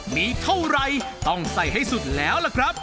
มีเท่าไรต้องใส่ให้สุดแล้วล่ะครับ